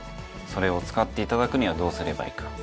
それを使っていただくにはどうすればいいか。